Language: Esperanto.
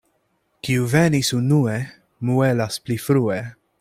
Kiu venis unue, muelas pli frue.